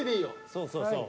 そうそうそう。